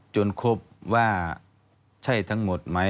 จนครบว่าใช่ทั้งหมดไหม